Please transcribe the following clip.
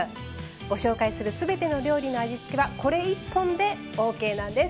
ご紹介する全ての料理の味付けはこれ１本でオーケーなんです。